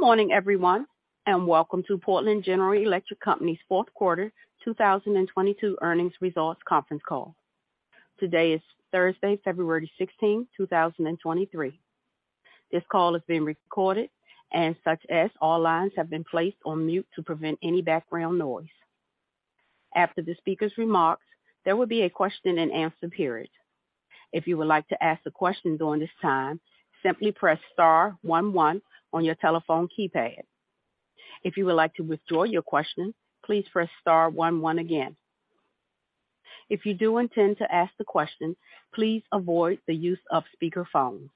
Good morning everyone. Welcome to Portland General Electric Company's Q4 2022 earnings results conference call. Today is Thursday, February 16, 2023. This call is being recorded and such as all lines have been placed on mute to prevent any background noise. After the speaker's remarks, there will be a question-and-answer period. If you would like to ask a question during this time, simply press star one one on your telephone keypad. If you would like to withdraw your question, please press star one one again. If you do intend to ask the question, please avoid the use of speaker phones.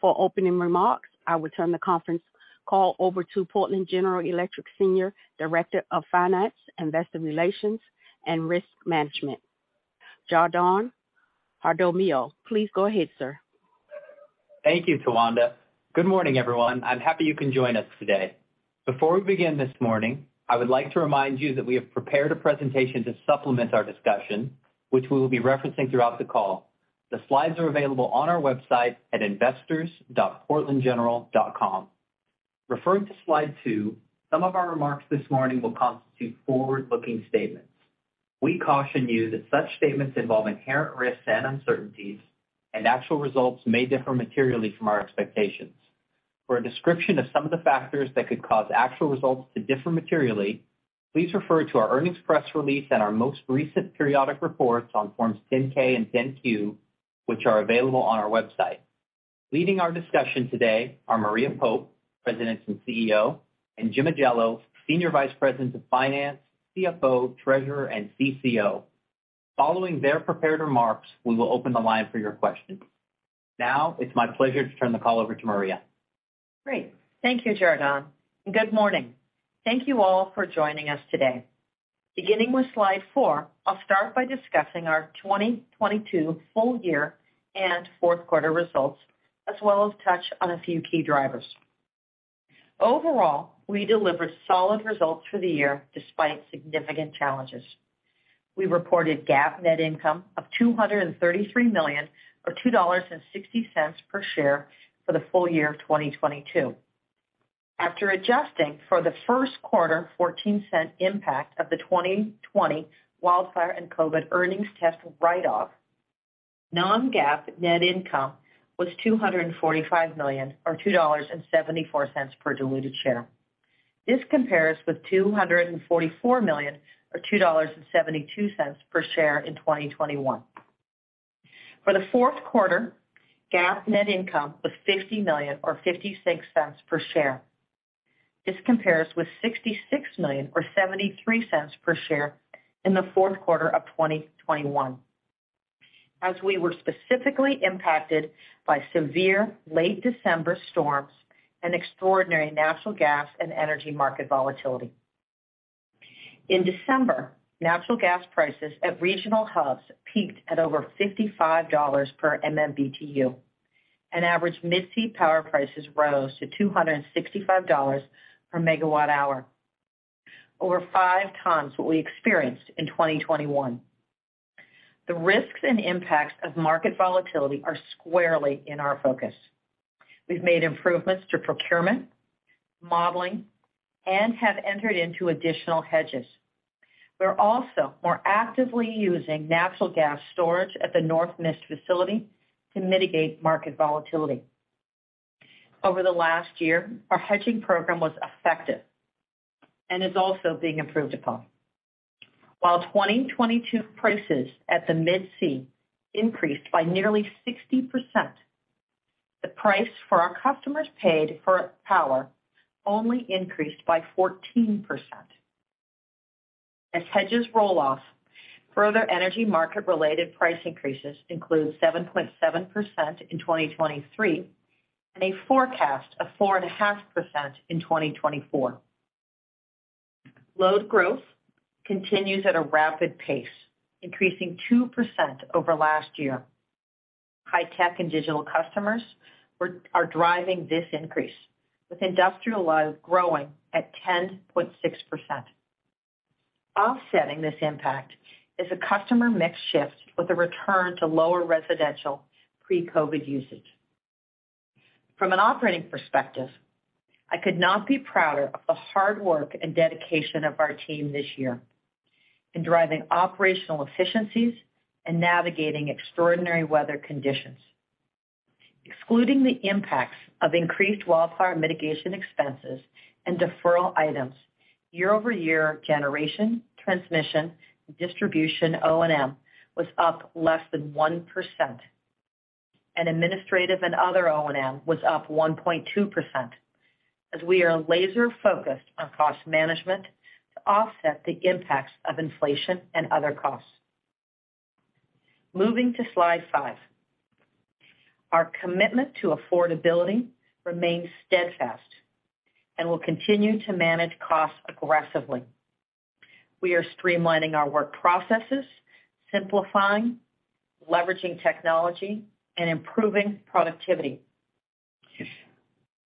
For opening remarks, I will turn the conference call over to Portland General Electric Senior Director of Finance, Investor Relations and Risk Management, Jardon Jaramillo. Please go ahead, sir. Thank you, Towanda. Good morning, everyone. I'm happy you can join us today. Before we begin this morning, I would like to remind you that we have prepared a presentation to supplement our discussion, which we will be referencing throughout the call. The slides are available on our website at investors.portlandgeneral.com. Referring to Slide two, some of our remarks this morning will constitute forward-looking statements. We caution you that such statements involve inherent risks and uncertainties, and actual results may differ materially from our expectations. For a description of some of the factors that could cause actual results to differ materially, please refer to our earnings press release and our most recent periodic reports on forms 10-K and 10-Q, which are available on our website. Leading our discussion today are Maria Pope, President and CEO, and Jim Ajello, Senior Vice President of Finance, CFO, Treasurer, and CCO. Following their prepared remarks, we will open the line for your questions. Now, it's my pleasure to turn the call over to Maria. Great. Thank you, Jardon. Good morning. Thank you all for joining us today. Beginning with Slide four, I'll start by discussing our 2022 full year and Q4 results, as well as touch on a few key drivers. Overall, we delivered solid results for the year despite significant challenges. We reported GAAP net income of $233 million or $2.60 per share for the full year of 2022. After adjusting for the Q1 $0.14 impact of the 2020 wildfire and COVID earnings test write-off, non-GAAP net income was $245 million or $2.74 per diluted share. This compares with $244 million or $2.72 per share in 2021. For the Q4, GAAP net income was $50 million or $0.56 per share. This compares with $66 million or $0.73 per share in the Q4 of 2021, as we were specifically impacted by severe late December storms and extraordinary natural gas and energy market volatility. In December, natural gas prices at regional hubs peaked at over $55 per MMBtu, and average Mid-C power prices rose to $265 per MWh, over five times what we experienced in 2021. The risks and impacts of market volatility are squarely in our focus. We've made improvements to procurement, modeling, and have entered into additional hedges. We're also more actively using natural gas storage at the North Mist facility to mitigate market volatility. Over the last year, our hedging program was effective and is also being improved upon. While 2022 prices at the Mid-C increased by nearly 60%, the price for our customers paid for power only increased by 14%. As hedges roll off, further energy market-related price increases include 7.7% in 2023 and a forecast of 4.5% in 2024. Load growth continues at a rapid pace, increasing 2% over last year. High-tech and digital customers are driving this increase, with industrial load growing at 10.6%. Offsetting this impact is a customer mix shift with a return to lower residential pre-COVID usage. From an operating perspective, I could not be prouder of the hard work and dedication of our team this year in driving operational efficiencies and navigating extraordinary weather conditions. Excluding the impacts of increased wildfire mitigation expenses and deferral items, year-over-year generation, transmission, and distribution O&M was up less than 1%, and administrative and other O&M was up 1.2%, as we are laser-focused on cost management to offset the impacts of inflation and other costs. Moving to Slide five. Our commitment to affordability remains steadfast and we'll continue to manage costs aggressively. We are streamlining our work processes, simplifying, leveraging technology, and improving productivity.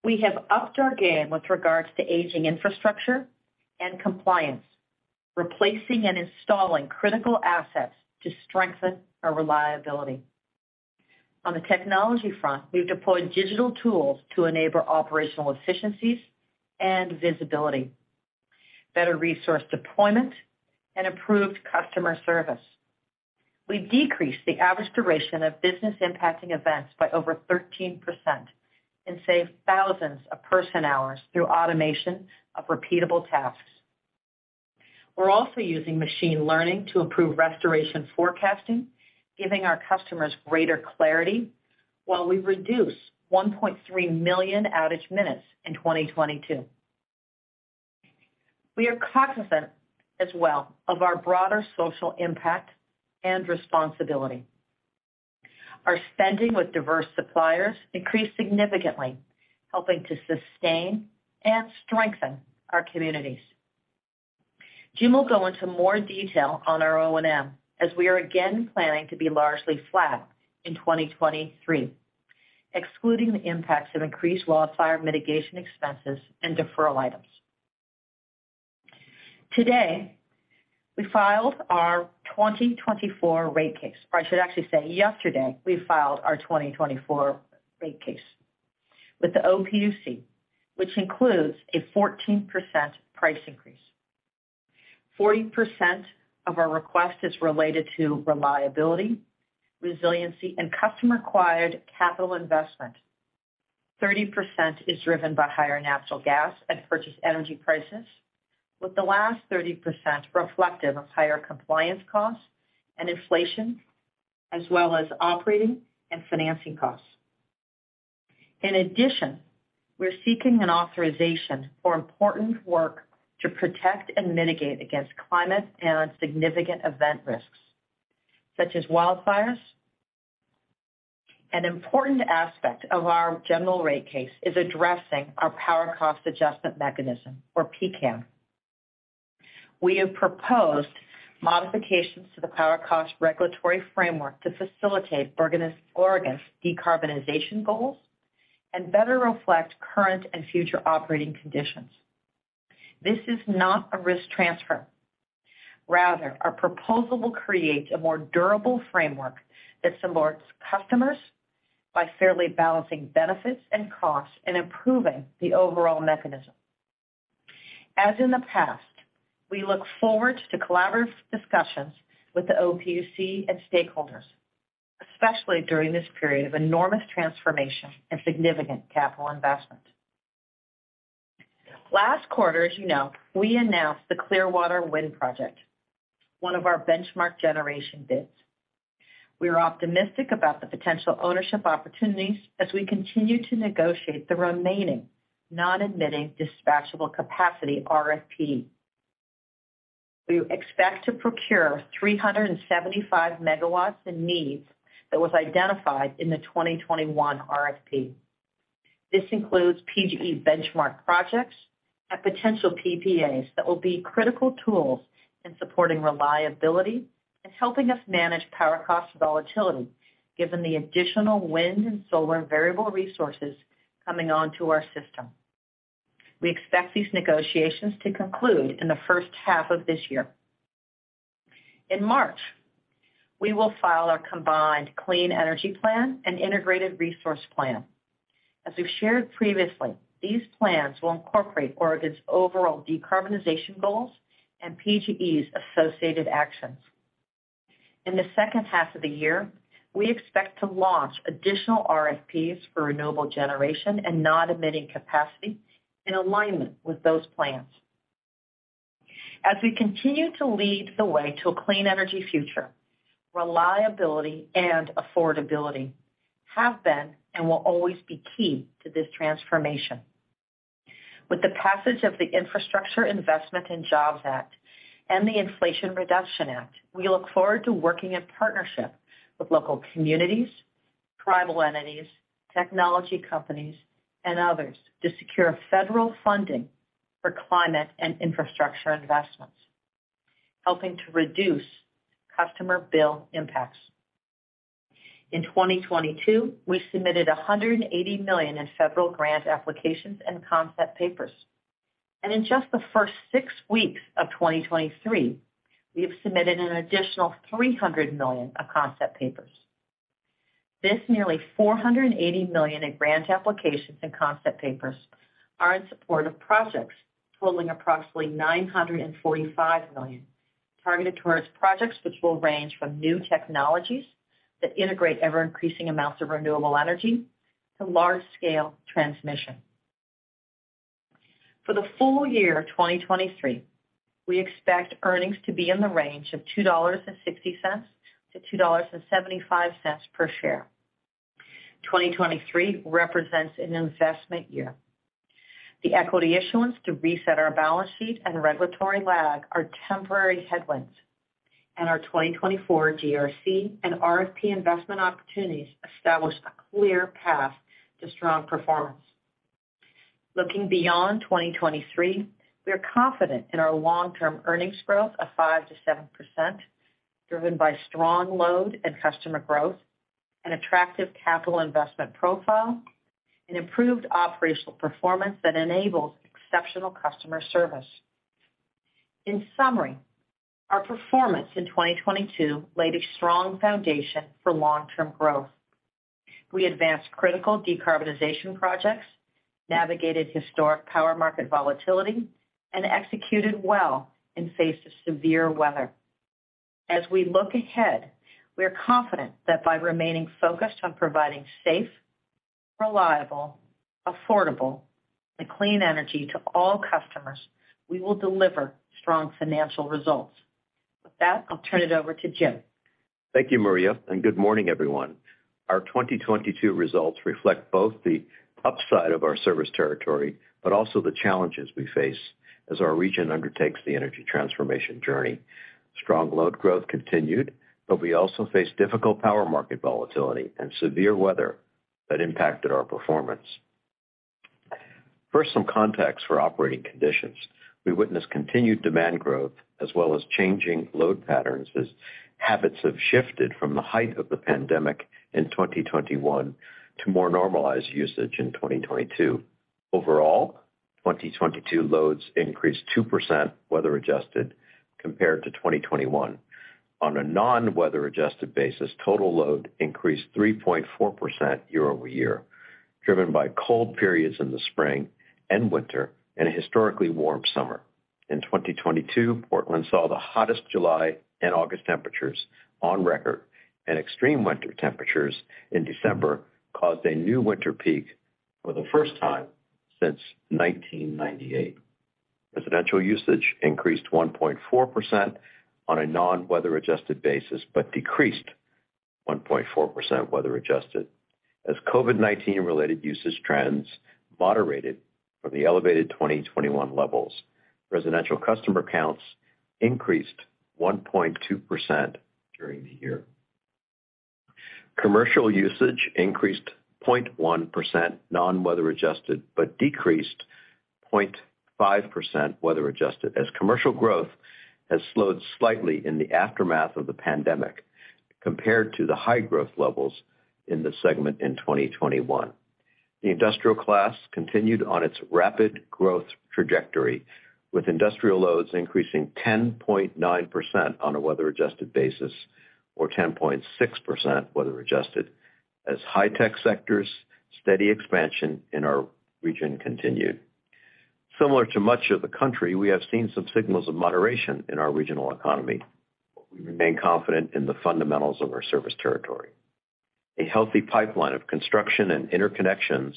We have upped our game with regards to aging infrastructure and compliance, replacing and installing critical assets to strengthen our reliability. On the technology front, we've deployed digital tools to enable operational efficiencies and visibility, better resource deployment, and improved customer service. We've decreased the average duration of business impacting events by over 13% and saved thousands of person-hours through automation of repeatable tasks. We're also using machine learning to improve restoration forecasting, giving our customers greater clarity while we reduce 1.3 million outage minutes in 2022. We are cognizant as well of our broader social impact and responsibility. Our spending with diverse suppliers increased significantly, helping to sustain and strengthen our communities. Jim will go into more detail on our O&M as we are again planning to be largely flat in 2023, excluding the impacts of increased wildfire mitigation expenses and deferral items. Today, we filed our 2024 rate case, or I should actually say yesterday we filed our 2024 rate case with the OPUC, which includes a 14% price increase. 40% of our request is related to reliability, resiliency, and customer-acquired capital investment. 30% is driven by higher natural gas and purchase energy prices, with the last 30% reflective of higher compliance costs and inflation, as well as operating and financing costs. We're seeking an authorization for important work to protect and mitigate against climate and significant event risks, such as wildfires. An important aspect of our general rate case is addressing our Power Cost Adjustment Mechanism, or PCAM. We have proposed modifications to the power cost regulatory framework to facilitate Oregon's decarbonization goals and better reflect current and future operating conditions. This is not a risk transfer. Rather, our proposal will create a more durable framework that supports customers by fairly balancing benefits and costs and improving the overall mechanism. As in the past, we look forward to collaborative discussions with the OPUC and stakeholders, especially during this period of enormous transformation and significant capital investment. Last quarter, as you know, we announced the Clearwater Wind Project, one of our benchmark generation bids. We are optimistic about the potential ownership opportunities as we continue to negotiate the remaining non-emitting dispatchable capacity RFP. We expect to procure 375 MW in needs that was identified in the 2021 RFP. This includes PGE benchmark projects and potential PPAs that will be critical tools in supporting reliability and helping us manage power cost volatility, given the additional wind and solar variable resources coming onto our system. We expect these negotiations to conclude in the first half of this year. In March, we will file our combined Clean Energy Plan and Integrated Resource Plan. As we've shared previously, these plans will incorporate Oregon's overall decarbonization goals and PGE's associated actions. In the second half of the year, we expect to launch additional RFPs for renewable generation and non-emitting capacity in alignment with those plans. As we continue to lead the way to a clean energy future, reliability and affordability have been and will always be key to this transformation. With the passage of the Infrastructure Investment and Jobs Act and the Inflation Reduction Act, we look forward to working in partnership with local communities, tribal entities, technology companies, and others to secure federal funding for climate and infrastructure investments, helping to reduce customer bill impacts. In 2022, we submitted $180 million in federal grant applications and concept papers. In just the six weeks of 2023, we have submitted an additional $300 million of concept papers. This nearly $480 million in grant applications and concept papers are in support of projects totaling approximately $945 million, targeted towards projects which will range from new technologies that integrate ever-increasing amounts of renewable energy to large-scale transmission. For the full year 2023, we expect earnings to be in the range of $2.60-$2.75 per share. 2023 represents an investment year. Our 2024 GRC and RFP investment opportunities establish a clear path to strong performance. Looking beyond 2023, we are confident in our long-term earnings growth of 5%-7%, driven by strong load and customer growth, an attractive capital investment profile, an improved operational performance that enables exceptional customer service. In summary, our performance in 2022 laid a strong foundation for long-term growth. We advanced critical decarbonization projects, navigated historic power market volatility, and executed well in face of severe weather. As we look ahead, we are confident that by remaining focused on providing safe, reliable, affordable, and clean energy to all customers, we will deliver strong financial results. With that, I'll turn it over to Jim. Thank you, Maria. Good morning, everyone. Our 2022 results reflect both the upside of our service territory, also the challenges we face as our region undertakes the energy transformation journey. Strong load growth continued, we also face difficult power market volatility and severe weather that impacted our performance. First, some context for operating conditions. We witnessed continued demand growth as well as changing load patterns as habits have shifted from the height of the pandemic in 2021 to more normalized usage in 2022. Overall, 2022 loads increased 2% weather-adjusted compared to 2021. On a non-weather adjusted basis, total load increased 3.4% year-over-year, driven by cold periods in the spring and winter and a historically warm summer. In 2022, Portland saw the hottest July and August temperatures on record, and extreme winter temperatures in December caused a new winter peak for the first time since 1998. Residential usage increased 1.4% on a non-weather adjusted basis, but decreased 1.4% weather-adjusted as COVID-19 related usage trends moderated from the elevated 2021 levels. Residential customer counts increased 1.2% during the year. Commercial usage increased 0.1% non-weather adjusted, but decreased 0.5% weather-adjusted as commercial growth has slowed slightly in the aftermath of the pandemic compared to the high growth levels in the segment in 2021. The industrial class continued on its rapid growth trajectory, with industrial loads increasing 10.9% on a weather-adjusted basis or 10.6% weather-adjusted as high-tech sectors' steady expansion in our region continued. Similar to much of the country, we have seen some signals of moderation in our regional economy, but we remain confident in the fundamentals of our service territory. A healthy pipeline of construction and interconnections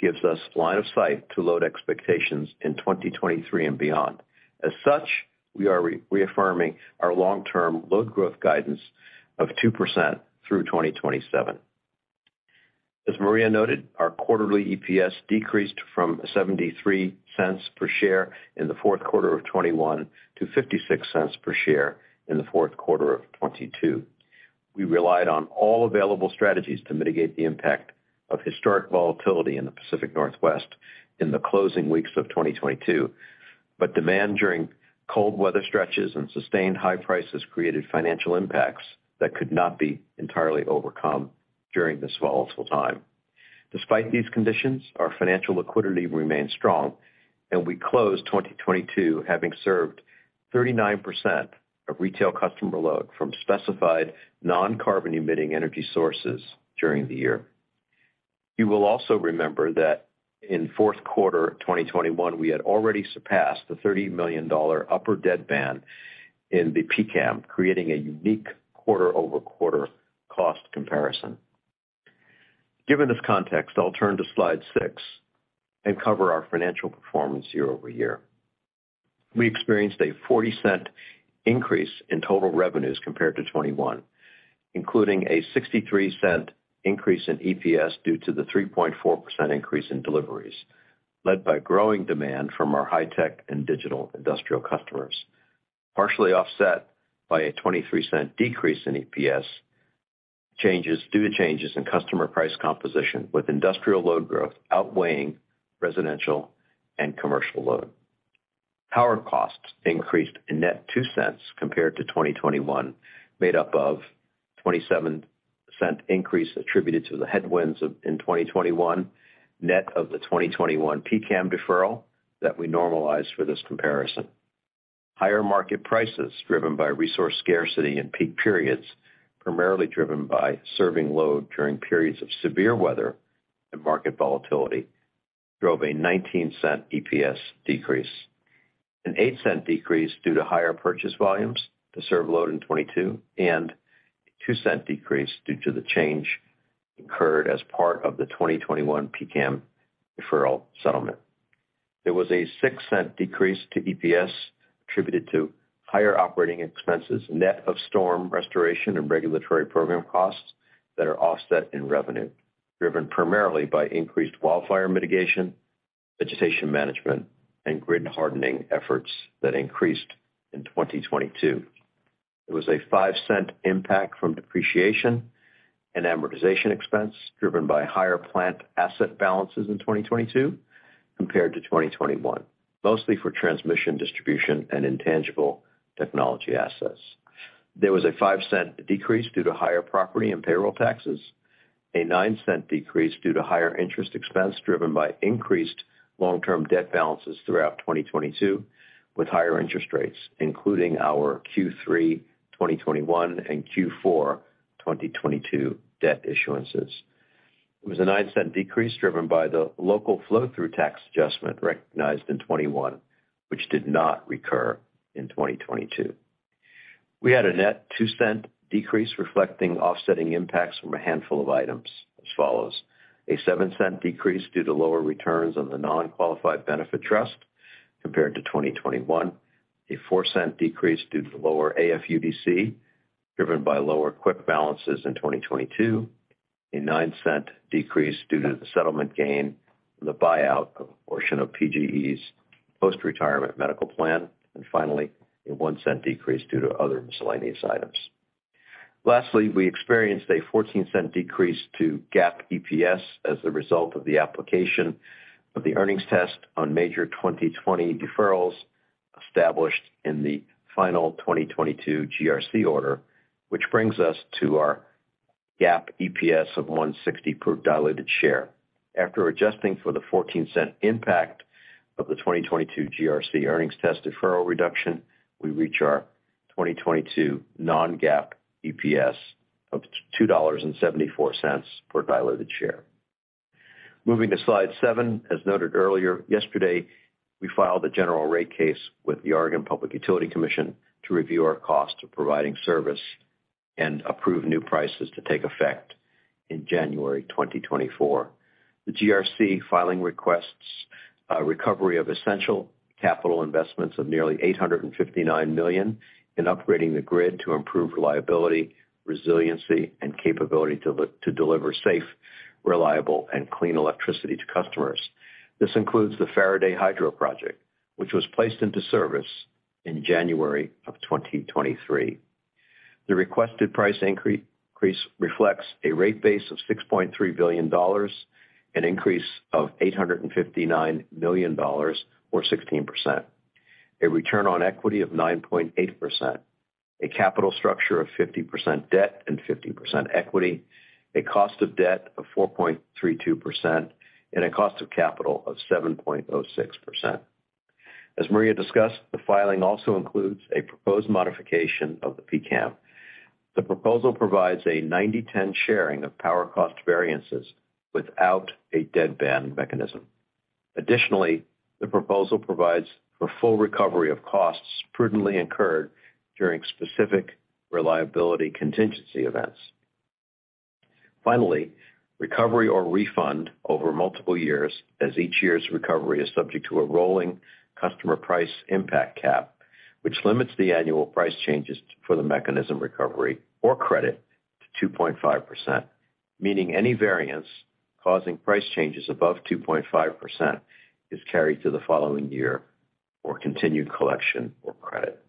gives us line of sight to load expectations in 2023 and beyond. As such, we are reaffirming our long-term load growth guidance of 2% through 2027. As Maria noted, our quarterly EPS decreased from $0.73 per share in the Q4 of 2021 to $0.56 per share in the Q4 of 2022. We relied on all available strategies to mitigate the impact of historic volatility in the Pacific Northwest in the closing weeks of 2022, but demand during cold weather stretches and sustained high prices created financial impacts that could not be entirely overcome during this volatile time. Despite these conditions, our financial liquidity remains strong, and we closed 2022 having served 39% of retail customer load from specified non-carbon emitting energy sources during the year. You will also remember that in Q4 2021, we had already surpassed the $30 million upper deadband in the PCAM, creating a unique quarter-over-quarter cost comparison. Given this context, I'll turn to Slide six and cover our financial performance year-over-year. We experienced a $0.40 increase in total revenues compared to 2021, including a $0.63 increase in EPS due to the 3.4% increase in deliveries, led by growing demand from our high-tech and digital industrial customers, partially offset by a $0.23 decrease in EPS changes due to changes in customer price composition, with industrial load growth outweighing residential and commercial load. Power costs increased a net $0.02 compared to 2021, made up of a $0.27 increase attributed to the headwinds of, in 2021, net of the 2021 PCAM deferral that we normalized for this comparison. Higher market prices, driven by resource scarcity in peak periods, primarily driven by serving load during periods of severe weather and market volatility, drove a $0.19 EPS decrease. An $0.08 decrease due to higher purchase volumes to serve load in 2022 and a $0.02 decrease due to the change incurred as part of the 2021 PCAM deferral settlement. There was a $0.06 decrease to EPS attributed to higher operating expenses, net of storm restoration and regulatory program costs that are offset in revenue, driven primarily by increased wildfire mitigation, vegetation management, and grid hardening efforts that increased in 2022. There was a $0.05 impact from depreciation and amortization expense, driven by higher plant asset balances in 2022 compared to 2021, mostly for transmission, distribution, and intangible assets. Technology assets. There was a $0.05 decrease due to higher property and payroll taxes, a $0.09 decrease due to higher interest expense driven by increased long-term debt balances throughout 2022 with higher interest rates, including our Q3 2021 and Q4 2022 debt issuances. It was a $0.09 decrease driven by the local flow-through tax adjustment recognized in 2021, which did not recur in 2022. We had a net $0.02 decrease reflecting offsetting impacts from a handful of items as follows: a $0.07 decrease due to lower returns on the non-qualified benefit trust compared to 2021, a $0.04 decrease due to lower AFUDC driven by lower CWIP balances in 2022, a $0.09 decrease due to the settlement gain from the buyout of a portion of PGE's post-retirement medical plan. Finally, a $0.01 decrease due to other miscellaneous items. Lastly, we experienced a $0.14 decrease to GAAP EPS as a result of the application of the earnings test on major 2020 deferrals established in the final 2022 GRC order, which brings us to our GAAP EPS of $1.60 per diluted share. After adjusting for the $0.14 impact of the 2022 GRC earnings test deferral reduction, we reach our 2022 non-GAAP EPS of $2.74 per diluted share. Moving to Slide seven. As noted earlier, yesterday, we filed a general rate case with the Oregon Public Utility Commission to review our cost of providing service and approve new prices to take effect in January 2024. The GRC filing requests recovery of essential capital investments of nearly $859 million in upgrading the grid to improve reliability, resiliency, and capability to deliver safe, reliable, and clean electricity to customers. This includes the Faraday Hydroelectric Project, which was placed into service in January of 2023. The requested price increase reflects a rate base of $6.3 billion, an increase of $859 million or 16%, a return on equity of 9.8%, a capital structure of 50% debt and 50% equity, a cost of debt of 4.32%, and a cost of capital of 7.06%. As Maria discussed, the filing also includes a proposed modification of the PCAM. The proposal provides a 90-10 sharing of power cost variances without a deadband mechanism. Additionally, the proposal provides for full recovery of costs prudently incurred during specific reliability contingency events. Finally, recovery or refund over multiple years as each year's recovery is subject to a rolling customer price impact cap, which limits the annual price changes for the mechanism recovery or credit to 2.5%, meaning any variance causing price changes above 2.5% is carried to the following year for continued collection or credit.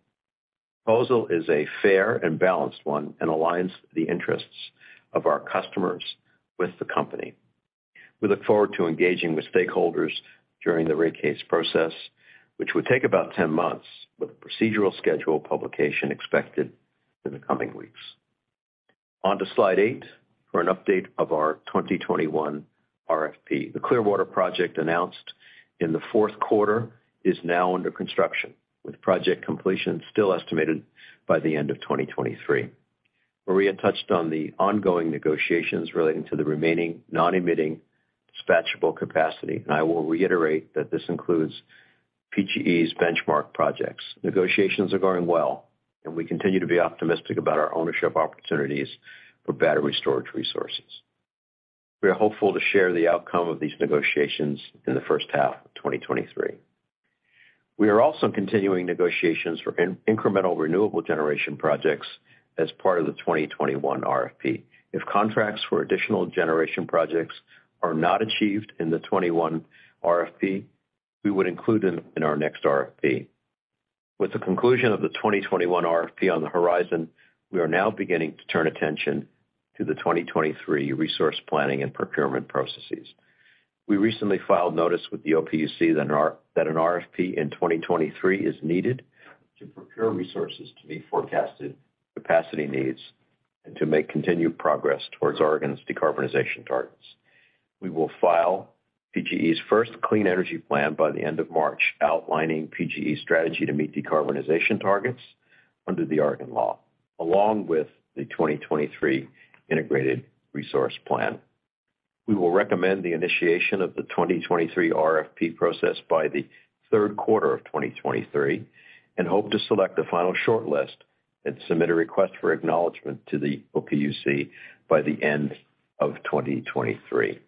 Proposal is a fair and balanced one and aligns the interests of our customers with the company. We look forward to engaging with stakeholders during the rate case process, which would take about 10 months, with a procedural schedule publication expected in the coming weeks. On to Slide eight for an update of our 2021 RFP. The Clearwater Project announced in the Q4 is now under construction, with project completion still estimated by the end of 2023. Maria touched on the ongoing negotiations relating to the remaining non-emitting dispatchable capacity, I will reiterate that this includes PGE's benchmark projects. Negotiations are going well, and we continue to be optimistic about our ownership opportunities for battery storage resources. We are hopeful to share the outcome of these negotiations in the first half of 2023. We are also continuing negotiations for incremental renewable generation projects as part of the 2021 RFP. If contracts for additional generation projects are not achieved in the 2021 RFP, we would include them in our next RFP. With the conclusion of the 2021 RFP on the horizon, we are now beginning to turn attention to the 2023 resource planning and procurement processes. We recently filed notice with the OPUC that an RFP in 2023 is needed to procure resources to meet forecasted capacity needs and to make continued progress towards Oregon's decarbonization targets. We will file PGE's first Clean Energy Plan by the end of March, outlining PGE's strategy to meet decarbonization targets under the Oregon law, along with the 2023 Integrated Resource Plan. We will recommend the initiation of the 2023 RFP process by the Q3 of 2023 and hope to select a final shortlist and submit a request for acknowledgement to the OPUC by the end of 2023.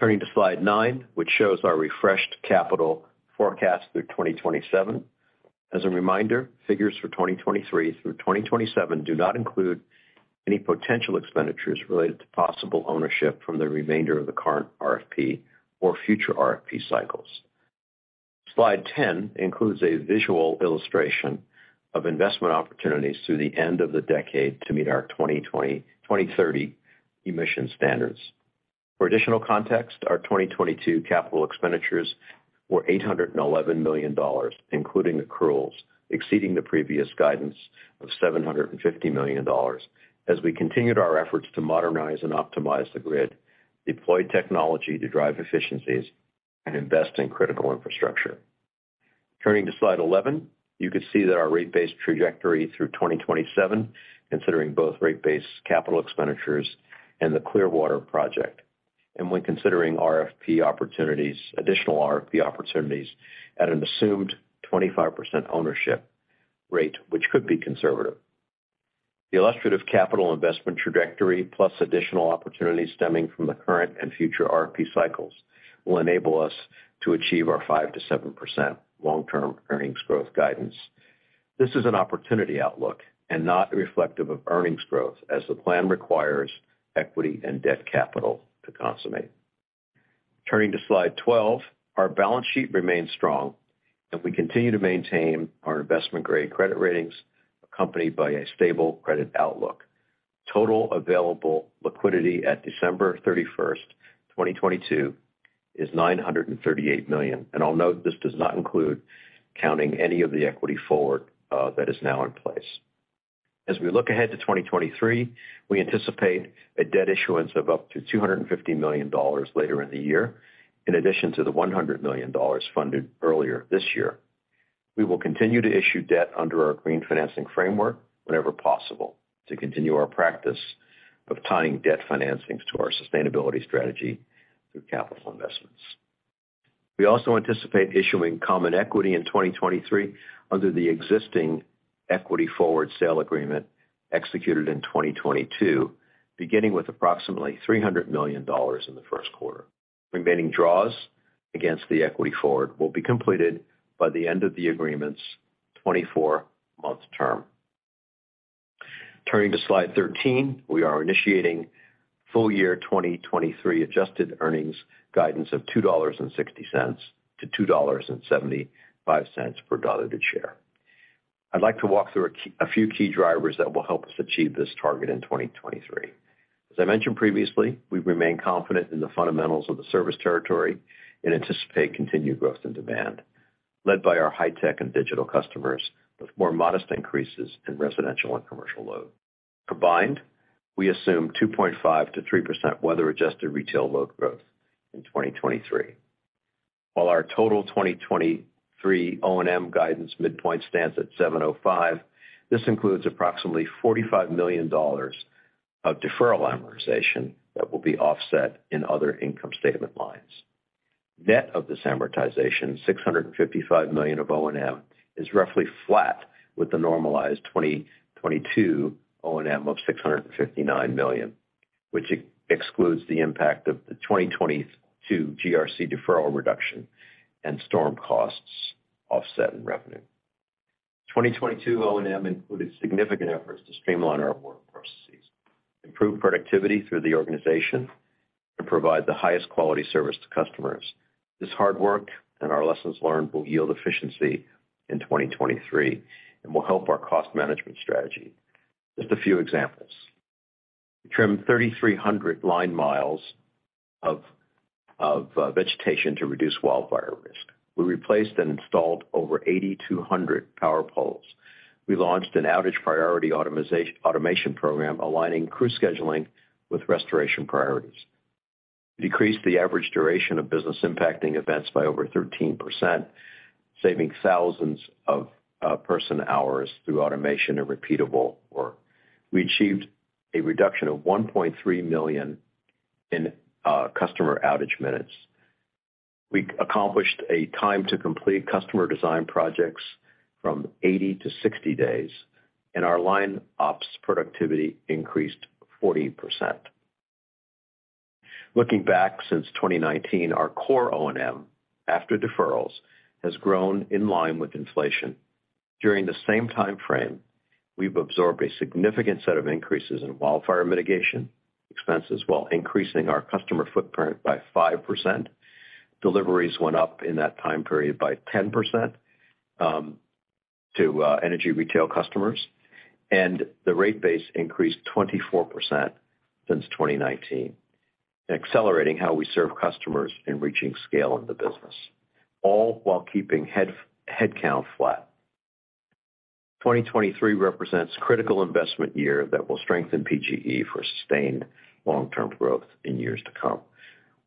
Turning to Slide nine, which shows our refreshed capital forecast through 2027. As a reminder, figures for 2023 through 2027 do not include any potential expenditures related to possible ownership from the remainder of the current RFP or future RFP cycles. Slide 10 includes a visual illustration of investment opportunities through the end of the decade to meet our 2030 emission standards. For additional context, our 2022 capital expenditures were $811 million, including accruals, exceeding the previous guidance of $750 million as we continued our efforts to modernize and optimize the grid, deploy technology to drive efficiencies, and invest in critical infrastructure. Turning to Slide 11, you can see that our rate base trajectory through 2027, considering both rate base capital expenditures and the Clearwater Project, and when considering RFP opportunities, additional RFP opportunities at an assumed 25% ownership rate, which could be conservative. The illustrative capital investment trajectory, plus additional opportunities stemming from the current and future RFP cycles, will enable us to achieve our 5%-7% long-term earnings growth guidance. This is an opportunity outlook and not reflective of earnings growth as the plan requires equity and debt capital to consummate. Turning to Slide 12, our balance sheet remains strong, and we continue to maintain our investment-grade credit ratings accompanied by a stable credit outlook. Total available liquidity at December 31st, 2022 is $938 million. I'll note this does not include counting any of the equity forward that is now in place. As we look ahead to 2023, we anticipate a debt issuance of up to $250 million later in the year in addition to the $100 million funded earlier this year. We will continue to issue debt under our green financing framework whenever possible to continue our practice of tying debt financings to our sustainability strategy through capital investments. We also anticipate issuing common equity in 2023 under the existing equity forward sale agreement executed in 2022, beginning with approximately $300 million in the Q1. Remaining draws against the equity forward will be completed by the end of the agreement's 24-month term. Turning to Slide 13, we are initiating full year 2023 adjusted earnings guidance of $2.60-$2.75 per diluted share. I'd like to walk through a few key drivers that will help us achieve this target in 2023. As I mentioned previously, we remain confident in the fundamentals of the service territory and anticipate continued growth and demand led by our high-tech and digital customers, with more modest increases in residential and commercial load. Combined, we assume 2.5%-3% weather-adjusted retail load growth in 2023. While our total 2023 O&M guidance midpoint stands at 705, this includes approximately $45 million of deferral amortization that will be offset in other income statement lines. Net of this amortization, $655 million of O&M is roughly flat with the normalized 2022 O&M of $659 million, which excludes the impact of the 2022 GRC deferral reduction and storm costs offset in revenue. 2022 O&M included significant efforts to streamline our work processes, improve productivity through the organization, and provide the highest quality service to customers. This hard work and our lessons learned will yield efficiency in 2023 and will help our cost management strategy. Just a few examples. We trimmed 3,300 line miles of vegetation to reduce wildfire risk. We replaced and installed over 8,200 power poles. We launched an outage priority automation program aligning crew scheduling with restoration priorities. Decreased the average duration of business impacting events by over 13%, saving thousands of person hours through automation and repeatable work. We achieved a reduction of $1.3 million in customer outage minutes. We accomplished a time to complete customer design projects from 80 to 60 days, and our line ops productivity increased 40%. Looking back since 2019, our core O&M, after deferrals, has grown in line with inflation. During the same time frame, we've absorbed a significant set of increases in wildfire mitigation expenses while increasing our customer footprint by 5%. Deliveries went up in that time period by 10% to energy retail customers, and the rate base increased 24% since 2019, accelerating how we serve customers in reaching scale in the business, all while keeping headcount flat. 2023 represents critical investment year that will strengthen PGE for sustained long-term growth in years to come.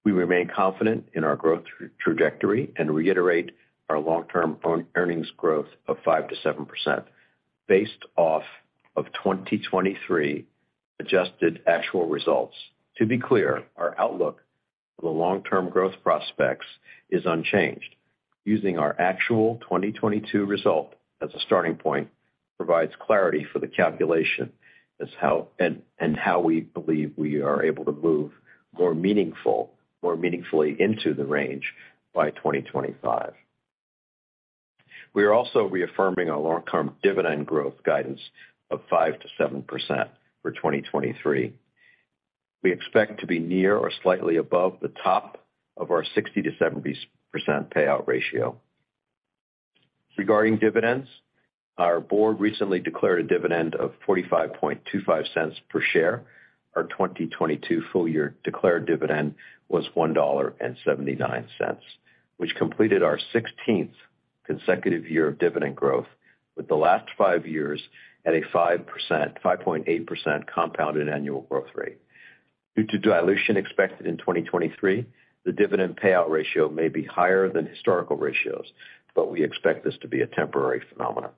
We remain confident in our growth trajectory and reiterate our long-term earnings growth of 5%-7% based off of 2023 adjusted actual results. To be clear, our outlook for the long-term growth prospects is unchanged. Using our actual 2022 result as a starting point provides clarity for the calculation as how, and how we believe we are able to move more meaningfully into the range by 2025. We are also reaffirming our long-term dividend growth guidance of 5%-7% for 2023. We expect to be near or slightly above the top of our 60%-70% payout ratio. Regarding dividends, our board recently declared a dividend of $0.4525 per share. Our 2022 full year declared dividend was $1.79, which completed our 16th consecutive year of dividend growth, with the last five years at a 5.8% compounded annual growth rate. Due to dilution expected in 2023, the dividend payout ratio may be higher than historical ratios, but we expect this to be a temporary phenomenon.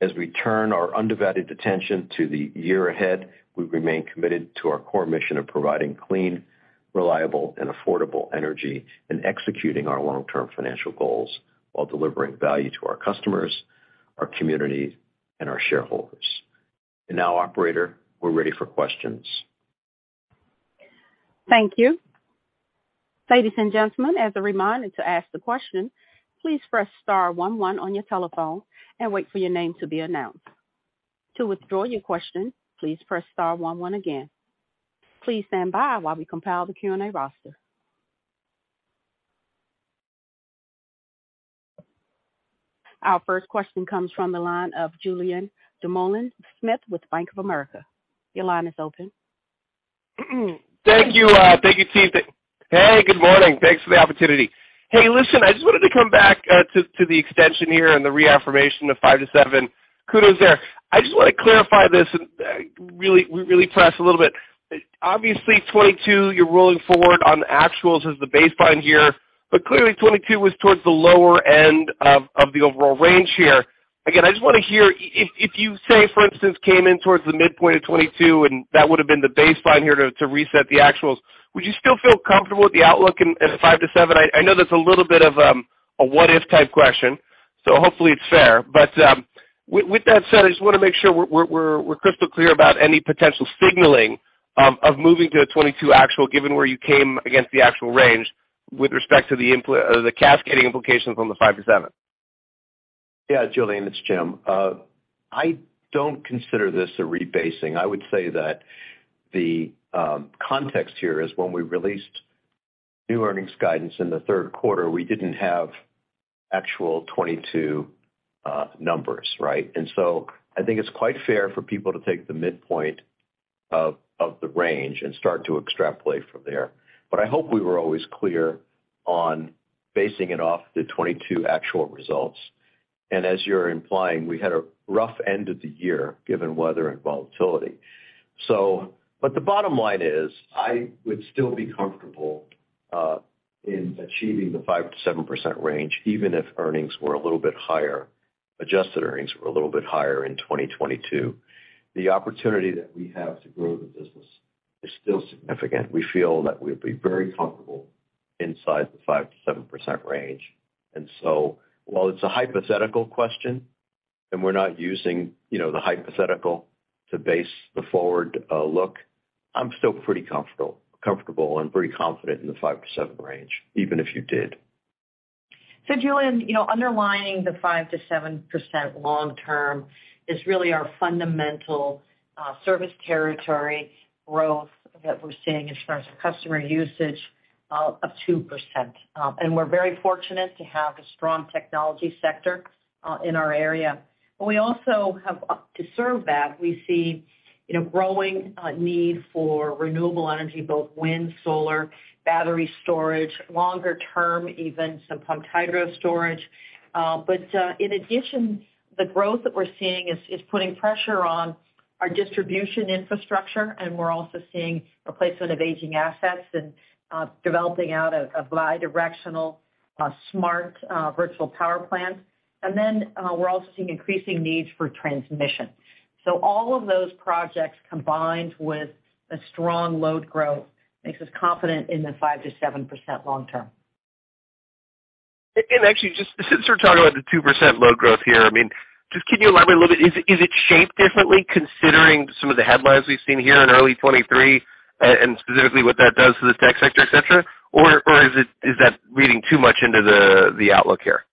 As we turn our undivided attention to the year ahead, we remain committed to our core mission of providing clean, reliable, and affordable energy and executing our long-term financial goals while delivering value to our customers, our communities, and our shareholders. Now, operator, we're ready for questions. Thank you. Ladies and gentlemen, as a reminder to ask the question, please press star one one on your telephone and wait for your name to be announced. To withdraw your question, please press star one one again. Please stand by while we compile the Q&A roster. Our first question comes from the line of Julien Dumoulin-Smith with Bank of America. Your line is open. Thank you, thank you, team. Good morning. Thanks for the opportunity. Listen, I just wanted to come back to the extension here and the reaffirmation of five-seven. Kudos there. I just want to clarify this, really press a little bit. Obviously, 2022, you're rolling forward on the actuals as the baseline here, Clearly 2022 was towards the lower end of the overall range here. I just want to hear if you say, for instance, came in towards the midpoint of 2022, and that would have been the baseline here to reset the actuals, would you still feel comfortable with the outlook in five-seven? I know that's a little bit of a what if type question, so hopefully it's fair. With that said, I just want to make sure we're crystal clear about any potential signaling of moving to a 22 actual given where you came against the actual range with respect to the cascading implications on the five-seven. Yeah, Julien, it's Jim. I don't consider this a rebasing. I would say that the context here is when we released new earnings guidance in the Q3, we didn't have actual 22 numbers, right. I think it's quite fair for people to take the midpoint of the range and start to extrapolate from there. I hope we were always clear on basing it off the 22 actual results. As you're implying, we had a rough end of the year given weather and volatility. The bottom line is, I would still be comfortable in achieving the 5%-7% range, even if earnings were a little bit higher, adjusted earnings were a little bit higher in 2022. The opportunity that we have to grow the business is still significant. We feel that we'll be very comfortable inside the 5%-7% range. While it's a hypothetical question, and we're not using, you know, the hypothetical to base the forward look, I'm still pretty comfortable and pretty confident in the 5%-7% range, even if you did. Julien, you know, underlying the 5%-7% long term is really our fundamental service territory growth that we're seeing in terms of customer usage of 2%. We're very fortunate to have a strong technology sector in our area. To serve that, we see, you know, growing need for renewable energy, both wind, solar, battery storage, longer term, even some pumped hydro storage. In addition, the growth that we're seeing is putting pressure on our distribution infrastructure, and we're also seeing replacement of aging assets and developing out a bi-directional smart virtual power plant. We're also seeing increasing needs for transmission. All of those projects combined with a strong load growth makes us confident in the 5%-7% long term. Actually, just since we're talking about the 2% load growth here, I mean, just can you elaborate a little bit? Is it, is it shaped differently considering some of the headlines we've seen here in early 23, and specifically what that does to the tech sector, et cetera? Or, is that reading too much into the outlook here?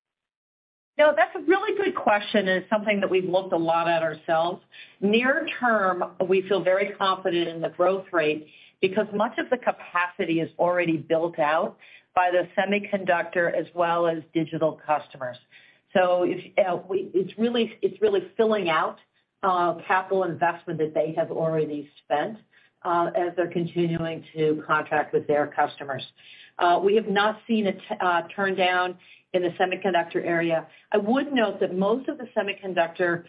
No, that's a really good question. It's something that we've looked a lot at ourselves. Near term, we feel very confident in the growth rate because much of the capacity is already built out by the semiconductor as well as digital customers. If it's really filling out capital investment that they have already spent as they're continuing to contract with their customers. We have not seen a turn down in the semiconductor area. I would note that most of the semiconductor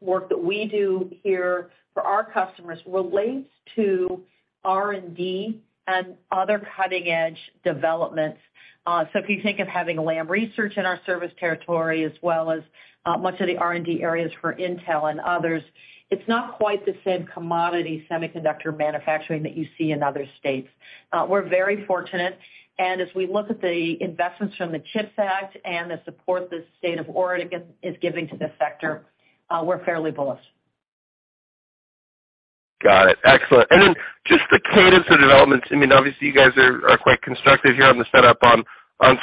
work that we do here for our customers relates to R&D and other cutting-edge developments. If you think of having Lam Research in our service territory, as well as much of the R&D areas for Intel and others, it's not quite the same commodity semiconductor manufacturing that you see in other states. We're very fortunate. As we look at the investments from the CHIPS Act and the support the state of Oregon is giving to this sector, we're fairly bullish. Got it. Excellent. Just the cadence of developments. I mean, obviously you guys are quite constructive here on the setup on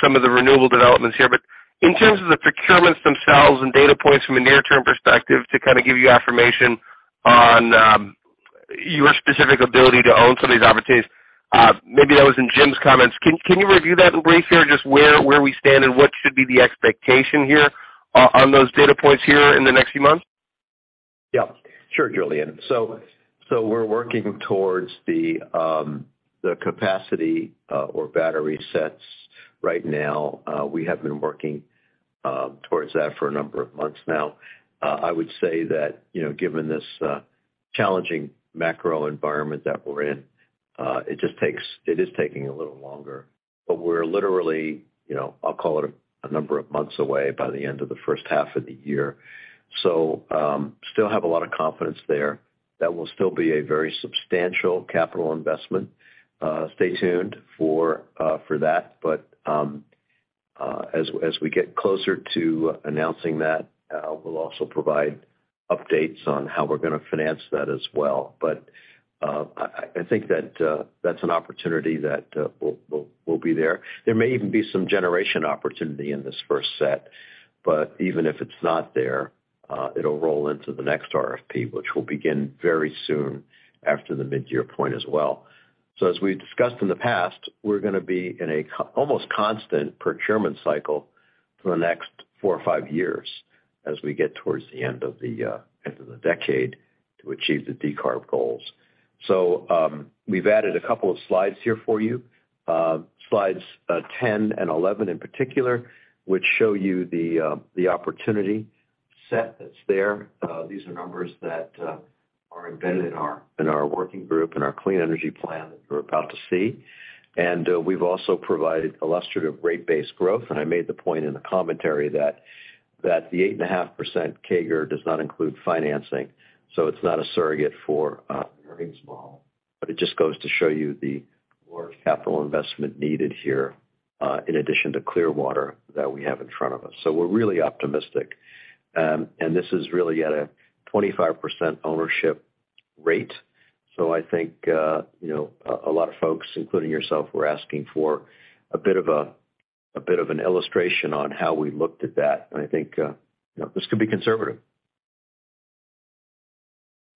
some of the renewable developments here. In terms of the procurements themselves and data points from a near-term perspective to kind of give you affirmation on your specific ability to own some of these opportunities. Maybe that was in Jim's comments. Can you review that in brief here? Just where we stand and what should be the expectation here on those data points here in the next few months? Yeah. Sure, Julien. We're working towards the capacity or battery sets right now. We have been working towards that for a number of months now. I would say that, you know, given this challenging macro environment that we're in, it is taking a little longer. We're literally, you know, I'll call it a number of months away by the end of the first half of the year. Still have a lot of confidence there. That will still be a very substantial capital investment. Stay tuned for that. As we get closer to announcing that, we'll also provide updates on how we're gonna finance that as well. I think that that's an opportunity that we'll be there. There may even be some generation opportunity in this first set, but even if it's not there, it'll roll into the next RFP, which will begin very soon after the mid-year point as well. As we discussed in the past, we're gonna be in an almost constant procurement cycle for the next four or five years as we get towards the end of the decade to achieve the decarb goals. We've added a couple of slides here for you, Slides 10 and 11 in particular, which show you the opportunity set that's there. These are numbers that are embedded in our working group, in our Clean Energy Plan that you're about to see. We've also provided illustrative rate base growth. I made the point in the commentary that the 8.5% CAGR does not include financing. It's not a surrogate for an earnings model, it just goes to show you the more capital investment needed here in addition to Clearwater that we have in front of us. We're really optimistic. This is really at a 25% ownership rate. I think, you know, a lot of folks, including yourself, were asking for a bit of an illustration on how we looked at that. I think, you know, this could be conservative.